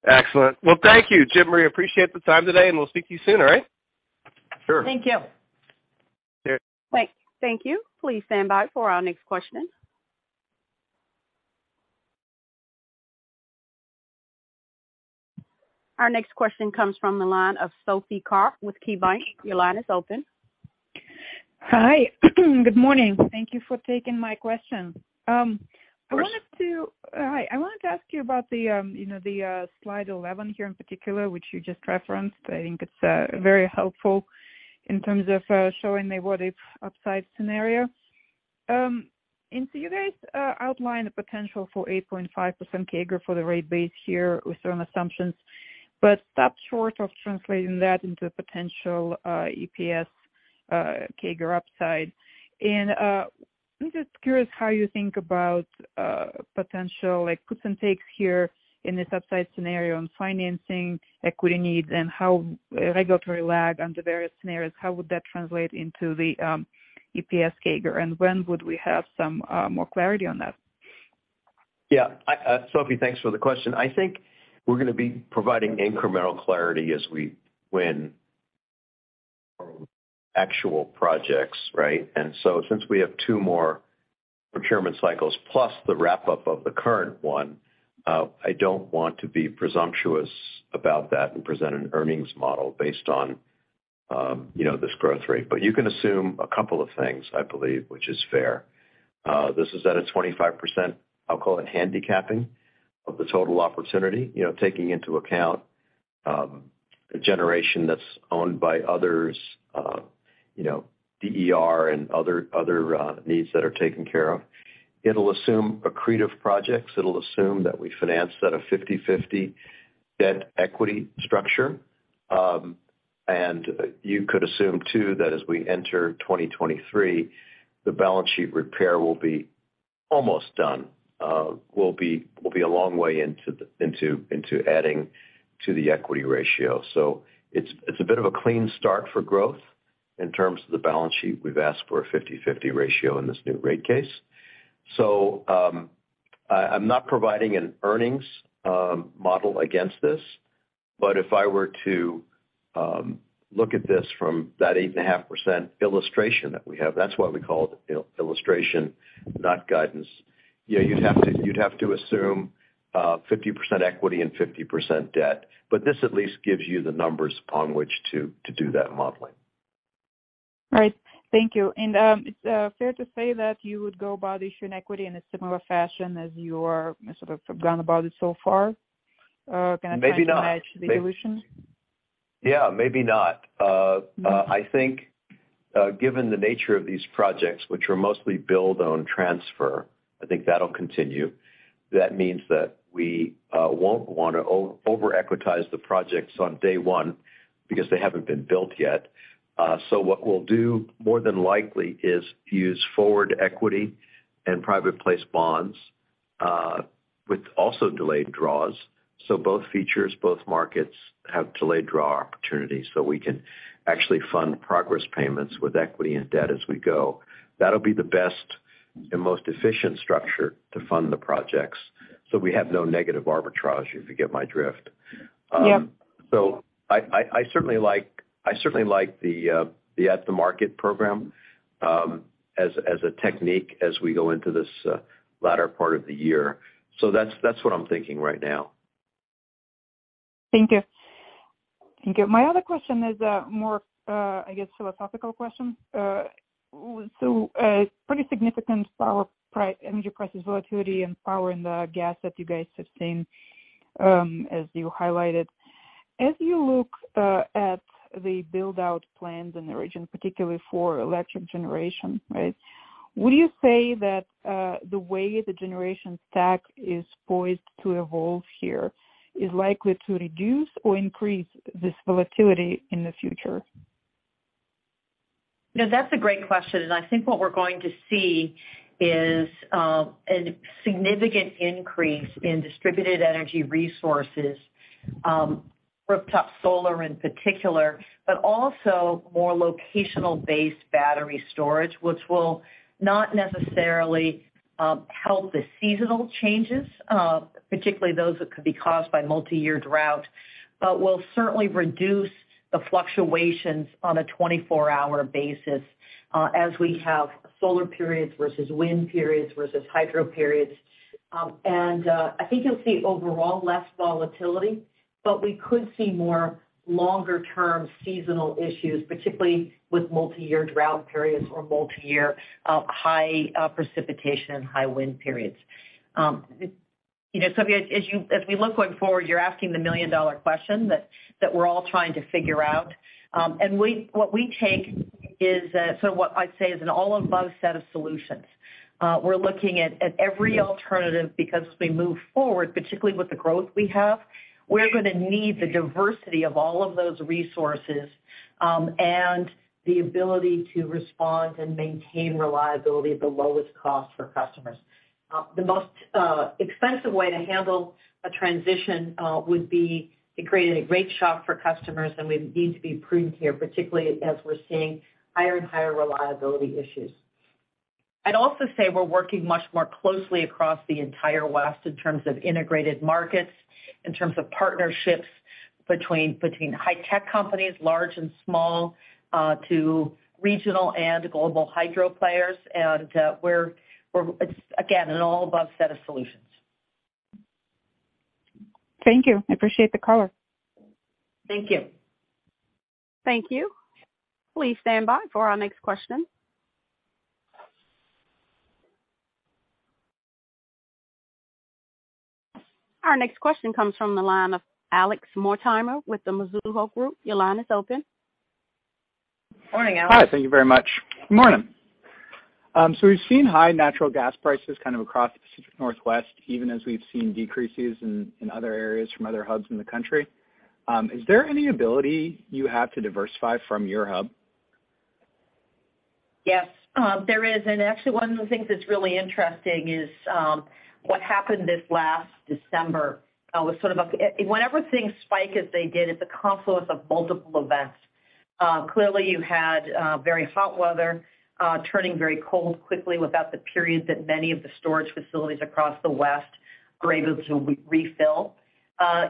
Excellent. Well, thank you. Jim, Maria, appreciate the time today, and we'll speak to you soon, all right? Sure. Thank you. Sure. Wait, thank you. Please stand by for our next question. Our next question comes from the line of Sophie Karp with KeyBanc. Your line is open. Hi. Good morning. Thank you for taking my question. I wanted to. Of course. All right. I wanted to ask you about the Slide 11 here in particular, which you just referenced. I think it's very helpful in terms of showing a what if upside scenario. You guys outline the potential for 8.5% CAGR for the rate base here with certain assumptions, but stop short of translating that into a potential EPS CAGR upside. I'm just curious how you think about potential like puts and takes here in this upside scenario on financing equity needs and how regulatory lag under various scenarios, how would that translate into the EPS CAGR? When would we have some more clarity on that? Sophie, thanks for the question. I think we're gonna be providing incremental clarity as we win actual projects, right? Since we have two more procurement cycles plus the wrap-up of the current one, I don't want to be presumptuous about that and present an earnings model based on, you know, this growth rate. You can assume a couple of things, I believe, which is fair. This is at a 25%, I'll call it handicapping of the total opportunity, you know, taking into account, a generation that's owned by others, you know, DER and other needs that are taken care of. It'll assume accretive projects. It'll assume that we finance at a 50/50 debt equity structure. You could assume too that as we enter 2023, the balance sheet repair will be almost done, will be a long way into adding to the equity ratio. It's a bit of a clean start for growth in terms of the balance sheet. We've asked for a 50/50 ratio in this new rate case. I'm not providing an earnings model against this, but if I were to look at this from that 8.5% illustration that we have, that's why we call it ill-illustration, not guidance. You know, you'd have to assume 50% equity and 50% debt. This at least gives you the numbers upon which to do that modeling. All right. Thank you. It's fair to say that you would go about issuing equity in a similar fashion as you're sort of gone about it so far? Can I try to match the illusion? Maybe not. Yeah, maybe not. I think, given the nature of these projects, which are mostly build, own, transfer, I think that'll continue. That means that we won't wanna over equitize the projects on day one because they haven't been built yet. So what we'll do more than likely is use forward equity and private place bonds, with also delayed draws. Both features, both markets have delayed draw opportunities, so we can actually fund progress payments with equity and debt as we go. That'll be the best and most efficient structure to fund the projects, so we have no negative arbitrage, if you get my drift. Yep I certainly like the at the market program, as a technique as we go into this, latter part of the year. That's what I'm thinking right now. Thank you. Thank you. My other question is, more, I guess, philosophical question. Pretty significant energy prices volatility and power in the gas that you guys have seen, as you highlighted. As you look at the build-out plans in the region, particularly for electric generation, right? Would you say that the way the generation stack is poised to evolve here is likely to reduce or increase this volatility in the future? No, that's a great question. I think what we're going to see is, a significant increase in distributed energy resources, rooftop solar in particular, but also more locational based battery storage, which will not necessarily, help the seasonal changes, particularly those that could be caused by multi-year drought, but will certainly reduce the fluctuations on a 24-hour basis, as we have solar periods versus wind periods versus hydro periods. I think you'll see overall less volatility, but we could see more longer-term seasonal issues, particularly with multi-year drought periods or multi-year, high precipitation and high wind periods. You know, Sophie, as we look going forward, you're asking the $1 million question that we're all trying to figure out. What we take is, so what I'd say is an all above set of solutions. We're looking at every alternative because as we move forward, particularly with the growth we have, we're gonna need the diversity of all of those resources, and the ability to respond and maintain reliability at the lowest cost for customers. The most expensive way to handle a transition would be to create a rate shock for customers, and we need to be prudent here, particularly as we're seeing higher and higher reliability issues. I'd also say we're working much more closely across the entire West in terms of integrated markets, in terms of partnerships between high tech companies, large and small, to regional and global hydro players. We're again, an all above set of solutions. Thank you. I appreciate the color. Thank you. Thank you. Please stand by for our next question. Our next question comes from the line of Alex Mortimer with the Mizuho Group. Your line is open. Morning, Alex. Hi. Thank you very much. Morning. We've seen high natural gas prices kind of across the Pacific Northwest, even as we've seen decreases in other areas from other hubs in the country. Is there any ability you have to diversify from your hub? Yes, there is. Actually one of the things that's really interesting is what happened this last December was sort of whenever things spike as they did at the confluence of multiple events. Clearly you had very hot weather turning very cold quickly without the periods that many of the storage facilities across the West were able to re-refill.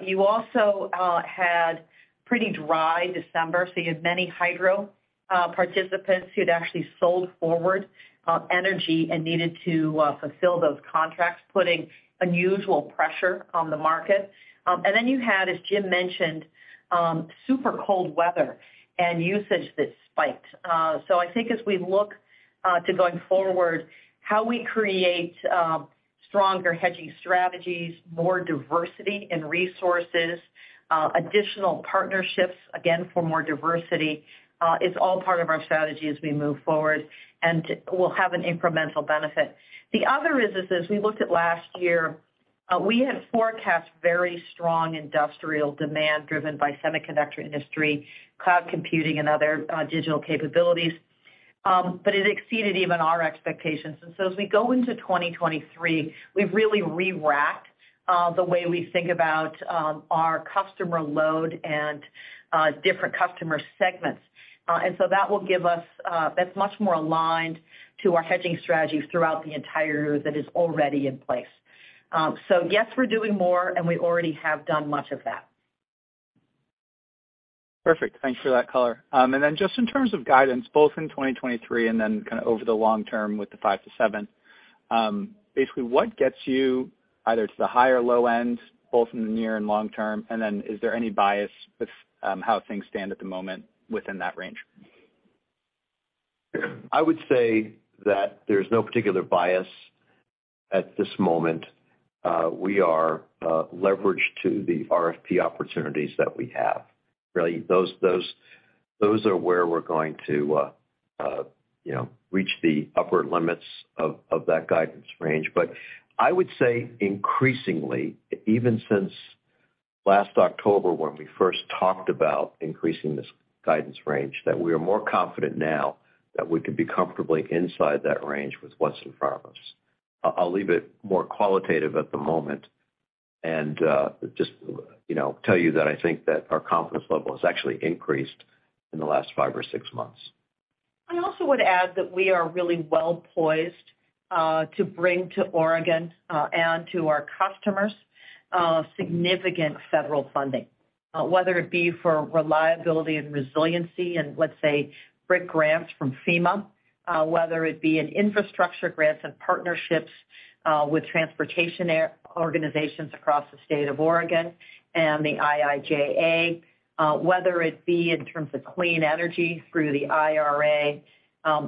You also had pretty dry December, so you had many hydro participants who'd actually sold forward energy and needed to fulfill those contracts, putting unusual pressure on the market. Then you had, as Jim mentioned, super cold weather and usage that spiked. I think as we look to going forward, how we create stronger hedging strategies, more diversity in resources, additional partnerships, again, for more diversity, it's all part of our strategy as we move forward, and we'll have an incremental benefit. The other is, as we looked at last year, we had forecast very strong industrial demand driven by semiconductor industry, cloud computing, and other digital capabilities, but it exceeded even our expectations. As we go into 2023, we've really re-wracked the way we think about our customer load and different customer segments. That will give us, that's much more aligned to our hedging strategy throughout the entire year that is already in place. Yes, we're doing more, and we already have done much of that. Perfect. Thanks for that color. Just in terms of guidance, both in 2023 and then kind of over the long term with the five-seven, basically what gets you either to the high or low end, both in the near and long term, is there any bias with how things stand at the moment within that range? I would say that there's no particular bias at this moment. We are leveraged to the RFP opportunities that we have. Really, those are where we're going to, you know, reach the upper limits of that guidance range. I would say increasingly, even since last October when we first talked about increasing this guidance range, that we are more confident now that we could be comfortably inside that range with what's in front of us. I'll leave it more qualitative at the moment and, just, you know, tell you that I think that our confidence level has actually increased in the last five or six months. I also would add that we are really well poised to bring to Oregon and to our customers significant federal funding, whether it be for reliability and resiliency in let's say, BRIC grants from FEMA, whether it be in infrastructure grants and partnerships with transportation air organizations across the state of Oregon and the IIJA, whether it be in terms of clean energy through the IRA.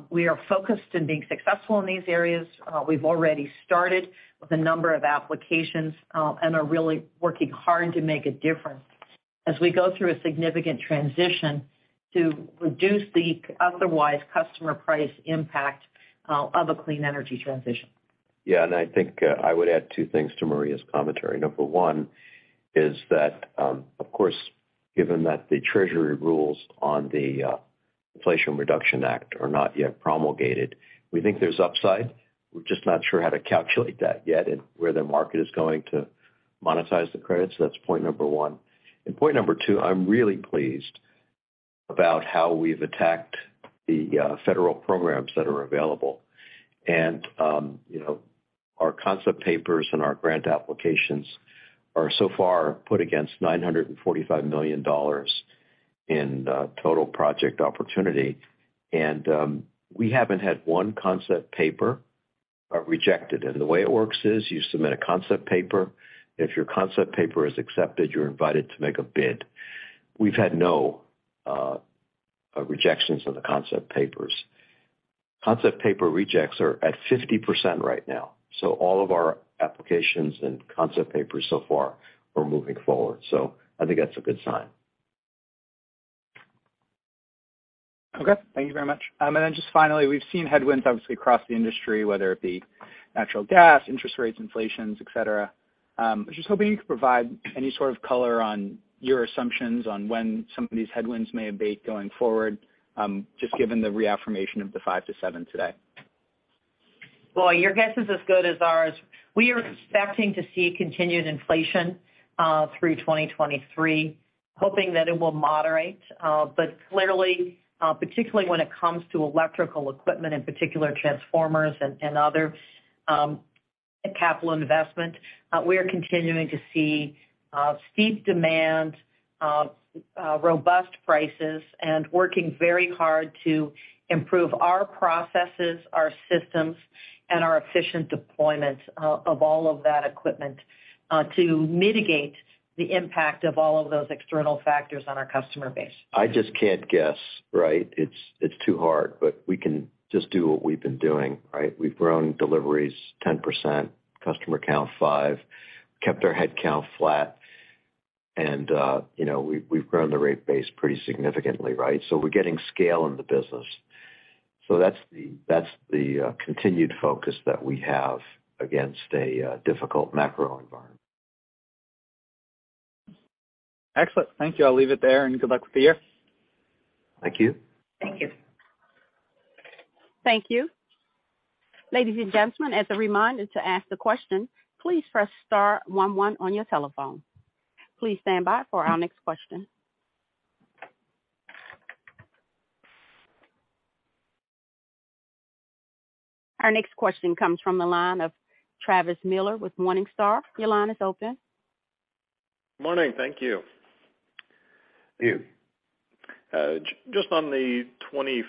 We are focused in being successful in these areas. We've already started with a number of applications and are really working hard to make a difference as we go through a significant transition to reduce the otherwise customer price impact of a clean energy transition. Yeah. I think I would add two things to Maria's commentary. Number one is that, of course, given that the Treasury rules on the Inflation Reduction Act are not yet promulgated, we think there's upside. We're just not sure how to calculate that yet and where the market is going to monetize the credits. That's point number one. Point number two, I'm really pleased about how we've attacked the federal programs that are available. You know, our concept papers and our grant applications are so far put against $945 million in total project opportunity. We haven't had one concept paper rejected. The way it works is you submit a concept paper. If your concept paper is accepted, you're invited to make a bid. We've had no rejections of the concept papers. Concept paper rejects are at 50% right now, all of our applications and concept papers so far are moving forward. I think that's a good sign. Okay. Thank you very much. Just finally, we've seen headwinds obviously across the industry, whether it be natural gas, interest rates, inflation, et cetera. I was just hoping you could provide any sort of color on your assumptions on when some of these headwinds may abate going forward, just given the reaffirmation of the five to seven today? Boy, your guess is as good as ours. We are expecting to see continued inflation, through 2023, hoping that it will moderate. Clearly, particularly when it comes to electrical equipment, in particular transformers and other capital investment, we are continuing to see steep demand, robust prices, and working very hard to improve our processes, our systems, and our efficient deployment of all of that equipment, to mitigate the impact of all of those external factors on our customer base. I just can't guess, right? It's too hard. We can just do what we've been doing, right? We've grown deliveries 10%, customer count five, kept our head count flat, and, you know, we've grown the rate base pretty significantly, right? We're getting scale in the business. That's the continued focus that we have against a difficult macro environment. Excellent. Thank you. I'll leave it there. Good luck with the year. Thank you. Thank you. Thank you. Ladies and gentlemen, as a reminder to ask the question, please press star one one on your telephone. Please stand by for our next question. Our next question comes from the line of Travis Miller with Morningstar. Your line is open. Morning. Thank you. Thank you. Just on the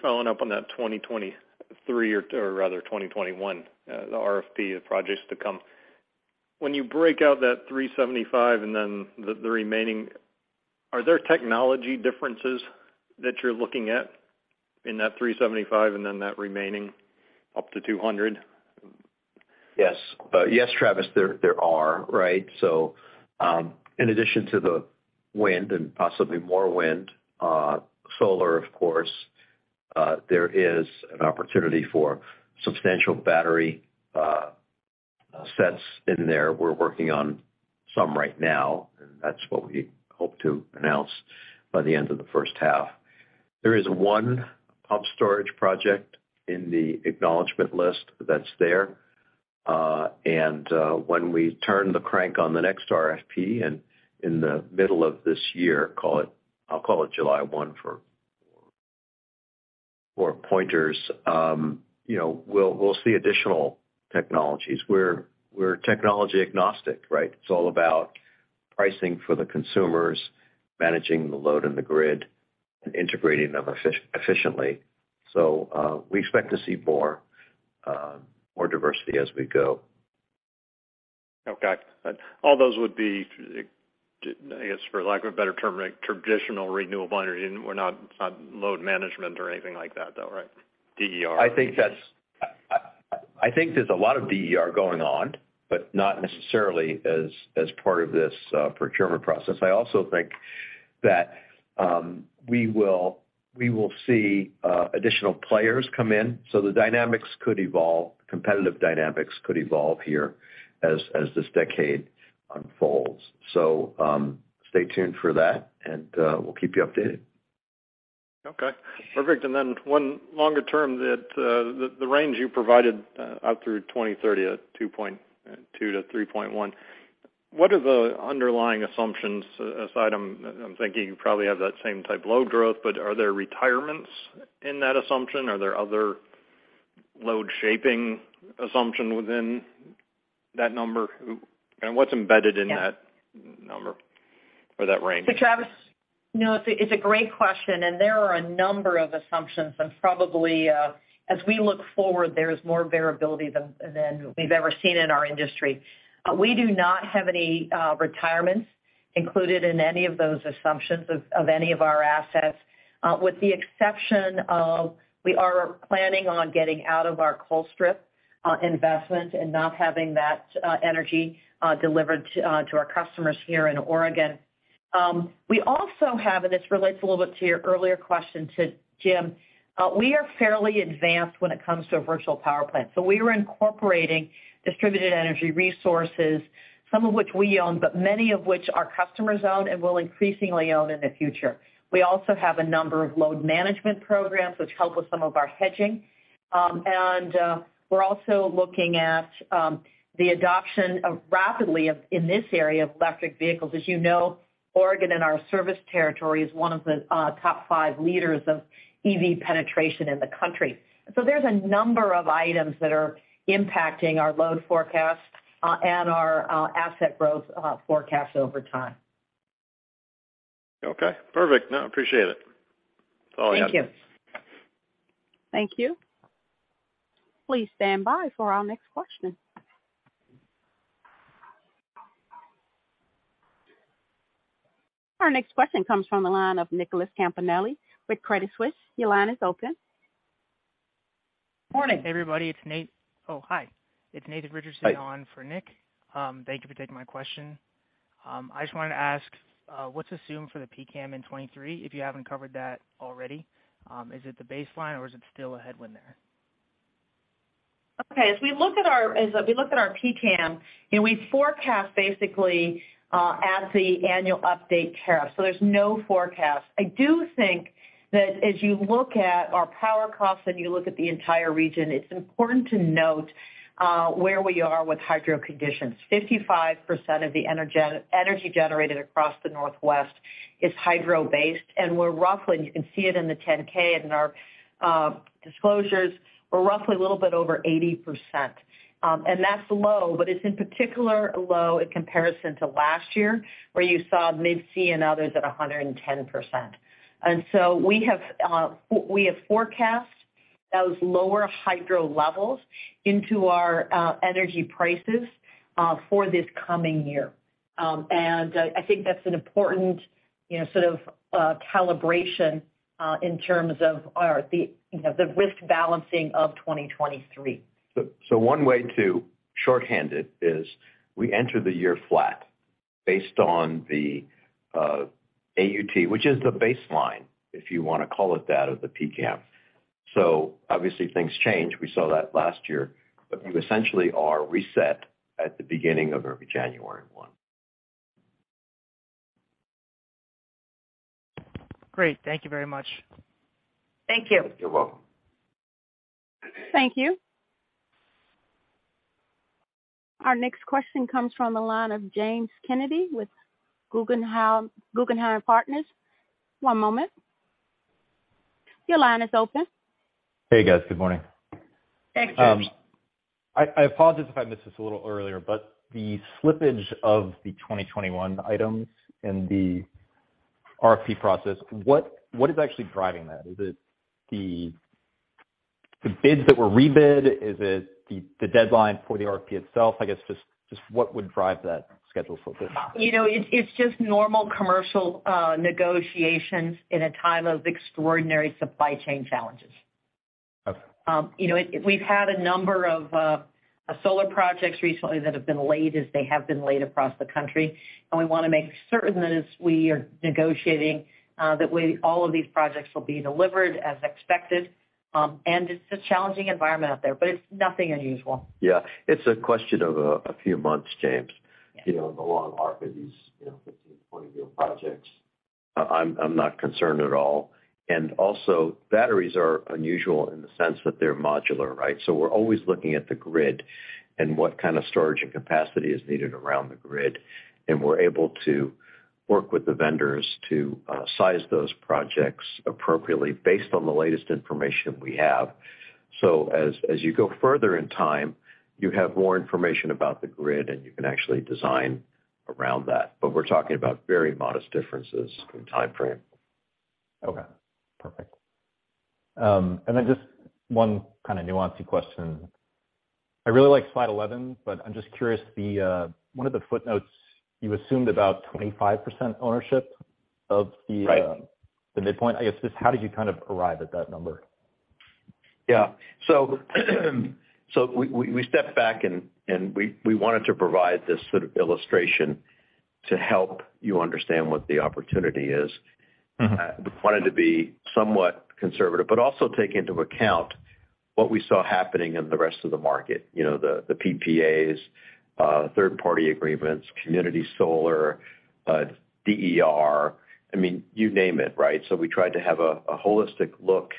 following up on that 2023 or rather 2021, the RFP of projects to come. When you break out that 375 and then the remaining, are there technology differences that you're looking at in that 375 and then that remaining up to 200? Yes. Yes, Travis, there are, right? In addition to the wind and possibly more wind, solar, of course, there is an opportunity for substantial battery sets in there. We're working on some right now, and that's what we hope to announce by the end of the first half. There is one pump storage project in the acknowledgement list that's there. When we turn the crank on the next RFP in the middle of this year, I'll call it July 1 for pointers, you know, we'll see additional technologies. We're technology agnostic, right? It's all about pricing for the consumers, managing the load in the grid and integrating them efficiently. We expect to see more diversity as we go. Okay. All those would be, I guess, for lack of a better term, like traditional renewable energy, it's not load management or anything like that though, right? DER. I think there's a lot of DER going on, not necessarily as part of this procurement process. I also think that we will see additional players come in. The competitive dynamics could evolve here as this decade unfolds. Stay tuned for that, and we'll keep you updated. Okay. Perfect. Then one longer term that the range you provided out through 2030 at 2.0%-3.1%. What are the underlying assumptions aside? I'm thinking you probably have that same type load growth, but are there retirements in that assumption? Are there other load shaping assumption within that number? What's embedded in that number or that range? Travis, you know, it's a great question, and there are a number of assumptions and probably, as we look forward, there's more variability than we've ever seen in our industry. We do not have any retirements included in any of those assumptions of any of our assets, with the exception of we are planning on getting out of our Colstrip investment and not having that energy delivered to our customers here in Oregon. We also have, and this relates a little bit to your earlier question to Jim, we are fairly advanced when it comes to a virtual power plant. We were incorporating distributed energy resources, some of which we own, but many of which our customers own and will increasingly own in the future. We also have a number of load management programs which help with some of our hedging. We're also looking at the adoption rapidly of in this area of electric vehicles. As you know, Oregon and our service territory is one of the top five leaders of EV penetration in the country. There's a number of items that are impacting our load forecast, and our asset growth forecast over time. Okay, perfect. No, appreciate it. That's all I had. Thank you. Thank you. Please stand by for our next question. Our next question comes from the line of Nicholas Campanelli with Credit Suisse. Your line is open. Morning. Hey, everybody, oh, hi. It's Nathan Richardson. Hi. -on for Nick. Thank you for taking my question. I just wanted to ask, what's assumed for the PCAM in 23, if you haven't covered that already? Is it the baseline or is it still a headwind there? Okay. As we look at our PCAM, you know, we forecast basically as the annual update tariff. There's no forecast. I do think that as you look at our power costs and you look at the entire region, it's important to note where we are with hydro conditions. 55% of the energy generated across the Northwest is hydro-based, and we're roughly, you can see it in the 10-K in our disclosures, we're roughly a little bit over 80%. That's low, but it's in particular low in comparison to last year, where you saw Mid-C and others at 110%. We have forecast those lower hydro levels into our energy prices for this coming year. I think that's an important, you know, sort of, calibration, in terms of the, you know, the risk balancing of 2023. One way to shorthand it is we enter the year flat based on the AUT, which is the baseline, if you wanna call it that, of the PCAM. Obviously things change. We saw that last year, but we essentially are reset at the beginning of every January 1. Great. Thank you very much. Thank you. You're welcome. Thank you. Our next question comes from the line of James Kennedy with Guggenheim Partners. One moment. Your line is open. Hey, guys, good morning. Thanks, James. I apologize if I missed this a little earlier, but the slippage of the 2021 items in the RFP process, what is actually driving that? Is it the bids that were rebid? Is it the deadline for the RFP itself? I guess just what would drive that schedule slippage? You know, it's just normal commercial negotiations in a time of extraordinary supply chain challenges. Okay. you know, we've had a number of solar projects recently that have been laid as they have been laid across the country, and we wanna make certain that as we are negotiating, that all of these projects will be delivered as expected. It's a challenging environment out there, but it's nothing unusual. Yeah. It's a question of a few months, James, you know, the long arc of these, you know, 15, 20-year projects. I'm not concerned at all. Also, batteries are unusual in the sense that they're modular, right? We're always looking at the grid and what kind of storage and capacity is needed around the grid, and we're able to work with the vendors to size those projects appropriately based on the latest information we have. As you go further in time, you have more information about the grid, and you can actually design around that. We're talking about very modest differences in timeframe. Okay. Perfect. Just one kinda nuancy question. I really like Slide 11, but I'm just curious, the, one of the footnotes, you assumed about 25% ownership of the- Right. The midpoint. I guess just how did you kind of arrive at that number? Yeah. We stepped back and we wanted to provide this sort of illustration to help you understand what the opportunity is. Mm-hmm. We wanted to be somewhat conservative, but also take into account what we saw happening in the rest of the market. You know, the PPAs, third-party agreements, community solar, DER. I mean, you name it, right? We tried to have a holistic look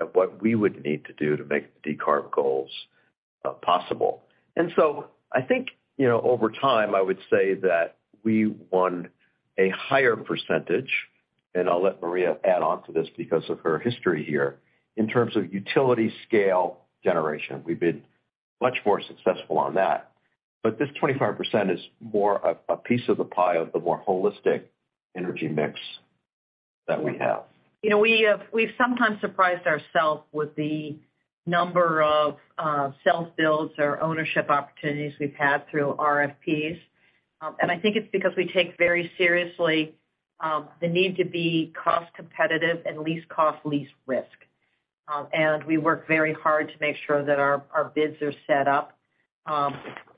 at what we would need to do to make the decarb goals possible. I think, you know, over time, I would say that we won a higher percentage, and I'll let Maria add on to this because of her history here, in terms of utility scale generation. We've been much more successful on that. This 25% is more a piece of the pie of the more holistic energy mix that we have. You know, we've sometimes surprised ourselves with the number of self-builds or ownership opportunities we've had through RFPs. I think it's because we take very seriously the need to be cost competitive and least cost, least risk. We work very hard to make sure that our bids are set up,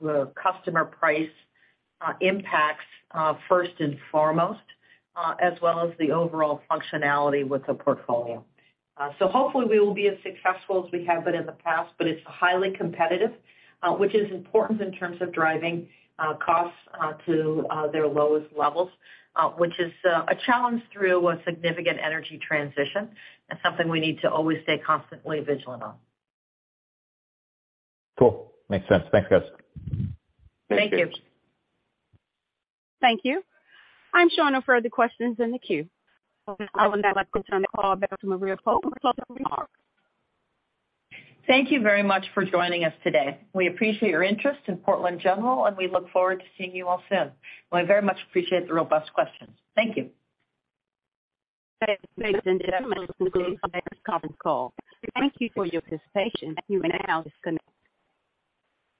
the customer price impacts first and foremost, as well as the overall functionality with the portfolio. Hopefully we will be as successful as we have been in the past, but it's highly competitive, which is important in terms of driving costs to their lowest levels, which is a challenge through a significant energy transition and something we need to always stay constantly vigilant on. Cool. Makes sense. Thanks, guys. Thank you. Thank you. I'm showing no further questions in the queue. I would now like to turn the call back to Maria Pope for closing remarks. Thank you very much for joining us today. We appreciate your interest in Portland General, and we look forward to seeing you all soon. We very much appreciate the robust questions. Thank you. Ladies and gentlemen, this concludes today's conference call. Thank you for your participation. You may now disconnect.